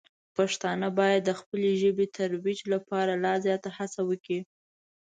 پښتانه باید د خپلې ژبې د ترویج لپاره لا زیاته هڅه وکړي.